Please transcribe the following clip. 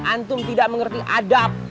antum tidak mengerti adab